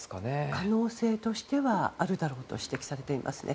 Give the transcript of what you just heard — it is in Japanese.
可能性としてはあるだろうとされていますね。